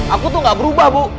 aku tuh gak berubah bu